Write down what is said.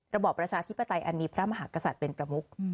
ระบอบประชาธิปไตยอันมีพระมหากษัตริย์เป็นประมุก